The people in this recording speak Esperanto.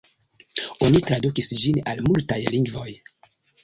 Oni tradukis ĝin al multaj lingvoj.